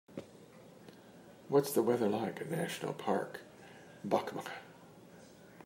What's the weather like at Nationaal park Bạch Mã